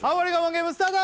ゲームスタート